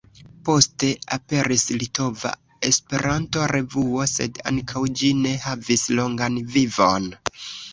Poste aperis "Litova Esperanto-Revuo", sed ankaŭ ĝi ne havis longan vivon.